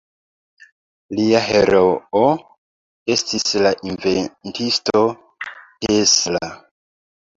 Lia heroo estis la inventisto Tesla.